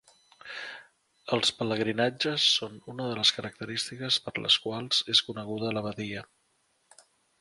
Els pelegrinatges són una de les característiques per les quals és coneguda l'abadia.